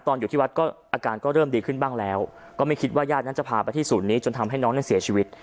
อยู่ที่วัดก็อาการก็เริ่มดีขึ้นบ้างแล้วก็ไม่คิดว่าญาตินั้นจะพาไปที่ศูนย์นี้จนทำให้น้องนั้นเสียชีวิต